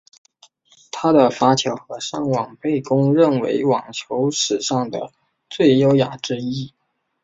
他的发球和上网被公认为网球史上最优雅之一。